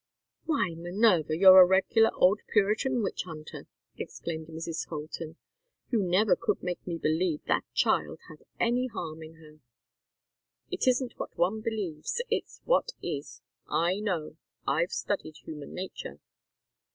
"Why Minerva, you're a regular old Puritan witch hunter!" exclaimed Mrs. Colton. "You never could make me believe that child had any harm in her " "It isn't what one believes. It's what is. I know. I've studied human nature.